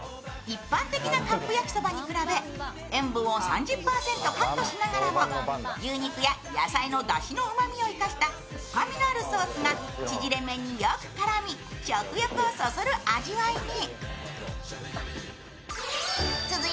一般的なカップ焼きそばに比べ塩分を３０％カットしながらも、牛肉や野菜のだしのうまみを生かした深みのあるソースがちぢれ麺によく絡み食欲をそそる味わいに。